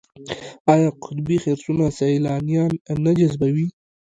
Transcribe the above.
آیا قطبي خرسونه سیلانیان نه جذبوي؟